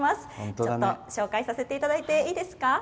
ちょっと紹介させていただいていいですか。